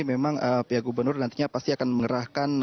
memang pihak gubernur nantinya pasti akan mengerahkan